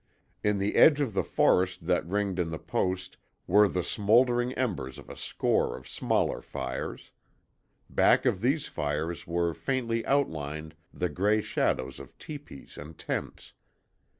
In the edge of the forest that ringed in the Post were the smouldering embers of a score of smaller fires. Back of these fires were faintly outlined the gray shadows of teepees and tents.